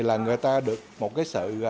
là người ta được một cái sự